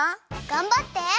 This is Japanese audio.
がんばって！